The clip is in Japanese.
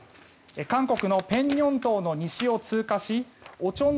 韓国のペンニョン島の西を通過しオチョン